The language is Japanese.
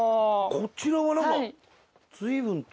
こちらはなんか随分と。